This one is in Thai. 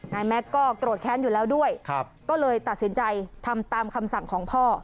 แม็กซ์ก็โกรธแค้นอยู่แล้วด้วยก็เลยตัดสินใจทำตามคำสั่งของพ่อ